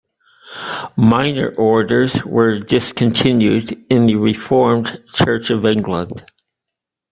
Minor orders were discontinued in the reformed Church of England.